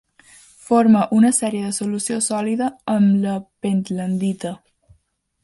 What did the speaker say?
Forma una sèrie de solució sòlida amb la pentlandita.